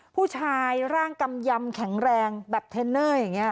ผู้ชายร่างกำยำแข็งแรงแบบเทรนเนอร์อย่างนี้